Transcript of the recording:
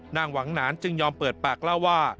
นางหวังหนานจึงยอมเปิดปากเล่าว่า